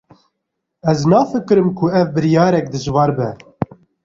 Ez nafikirim ku ew biryarek dijwar be.